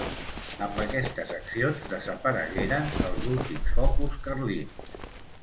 Amb aquestes accions desaparegueren els últims focus carlins.